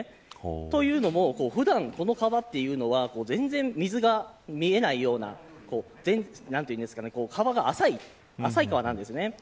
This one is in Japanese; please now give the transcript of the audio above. というのも、普段この川は全然水が見えないような浅い川なんです。